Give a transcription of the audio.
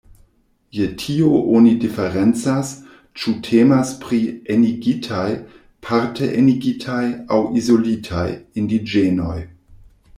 Je tio oni diferencas, ĉu temas pri "enigitaj", "parte enigitaj" aŭ "izolitaj" indiĝenoj.